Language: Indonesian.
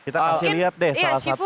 kita kasih lihat deh salah satu